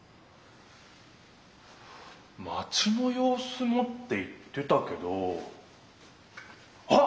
「マチの様子も」って言ってたけどあっ